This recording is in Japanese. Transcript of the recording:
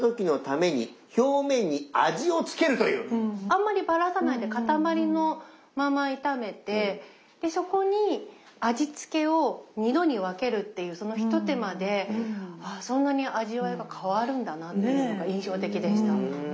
あんまりバラさないで塊のまま炒めてそこに味付けを２度に分けるっていうその一手間でそんなに味わいが変わるんだなぁっていうのが印象的でした。